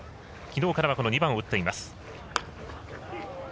きのうからは２番を打っています。